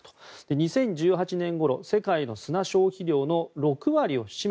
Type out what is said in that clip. ２０１８年ごろ世界の砂消費量の６割を超え